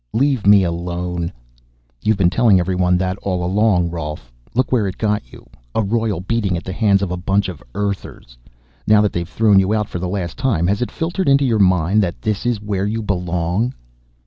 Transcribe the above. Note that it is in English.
"Leave me alone." "You've been telling everyone that all along, Rolf. Look where it got you. A royal beating at the hands of a bunch of Earthers. Now that they've thrown you out for the last time, has it filtered into your mind that this is where you belong?"